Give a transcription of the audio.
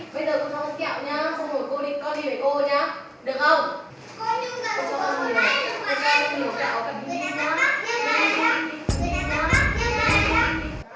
cô gái đã thông báo cho cô giáo biết về tình hình của lớp học